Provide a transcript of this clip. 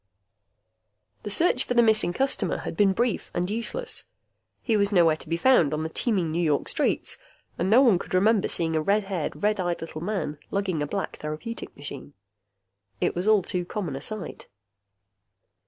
The search for the missing customer had been brief and useless. He was nowhere to be found on the teeming New York streets and no one could remember seeing a red haired, red eyed little man lugging a black therapeutic machine. It was all too common a sight.